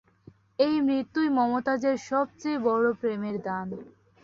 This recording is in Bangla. এই মৃত্যুই মমতাজের সব চেয়ে বড়ো প্রেমের দান।